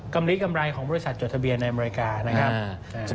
ลิกำไรของบริษัทจดทะเบียนในอเมริกานะครับ